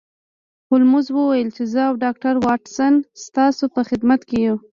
هولمز وویل چې زه او ډاکټر واټسن ستاسو په خدمت کې یو